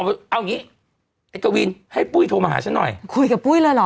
เอาอย่างงี้ไอ้กวินให้ปุ้ยโทรมาหาฉันหน่อยคุยกับปุ้ยเลยเหรอ